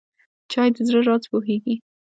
چای د زړه راز پوهیږي.